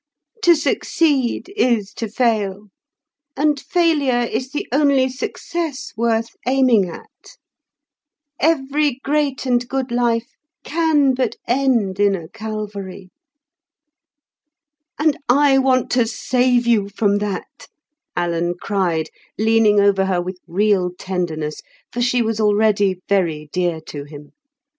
To succeed is to fail, and failure is the only success worth aiming at. Every great and good life can but end in a Calvary." "And I want to save you from that," Alan cried, leaning over her with real tenderness, for she was already very dear to him.